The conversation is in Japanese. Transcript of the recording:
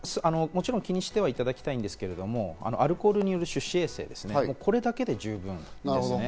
もちろん気にしてはいただきたいんですけど、アルコールによる手指衛生、これだけで十分です。